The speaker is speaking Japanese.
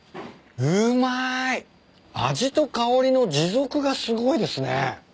味と香りの持続がすごいですね。